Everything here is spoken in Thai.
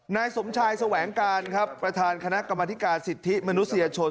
นายสมชายแสวงการครับประธานคณะกรรมธิการสิทธิมนุษยชน